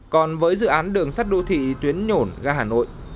còn với dự án đường sắt đô thị tuyến nhổn ga hà nội